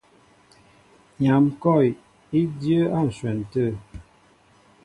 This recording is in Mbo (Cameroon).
Nyam kɔ̂w í dyə́ə́ á ǹshwɛn tə̂.